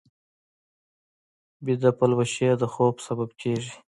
ویده پلوشې د خوب سبب کېږي